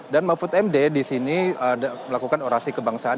dan mahfud md di sini melakukan orasi kebangsaan